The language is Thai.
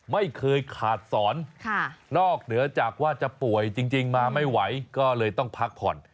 ไม่เคยขาดสอนนอกเหนือจากว่าจะป่วยจริงมาไม่ไหวก็เลยต้องพักผ่อน